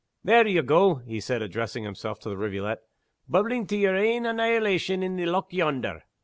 "There ye go," he said, addressing himself to the rivulet, "bubblin' to yer ain annihilation in the loch yonder!